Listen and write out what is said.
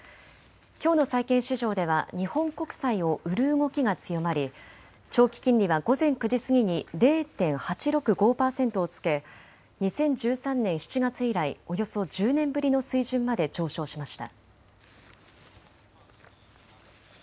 きょうの債券市場では日本国債を売る動きが強まり長期金利は午前９時過ぎに０．８６５％をつけ２０１３年７月以来およそ１０年ぶりの水準まで上昇しました。